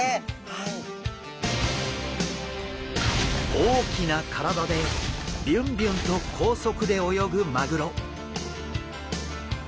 大きな体でビュンビュンと高速で泳ぐマグロ。